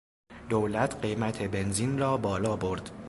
دولت قیمت بنزین را بالا برد.